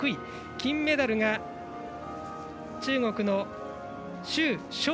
金メダルが中国の周召倩。